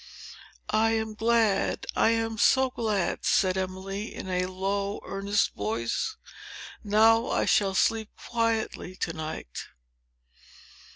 "I am glad! I am so glad!" said Emily, in a low, earnest voice. "Now I shall sleep quietly to night."